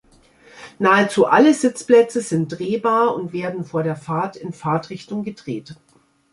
Nahezu alle Sitzplätze sind drehbar und werden vor der Fahrt in Fahrtrichtung gedreht.